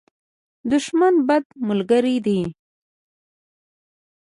دښمن، بد ملګری دی.